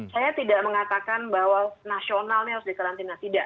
saya tidak mengatakan bahwa nasionalnya harus dikarantina tidak